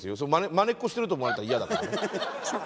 まねっこしてると思われたら嫌だからね。